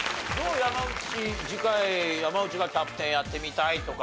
山内次回山内がキャプテンやってみたいとか。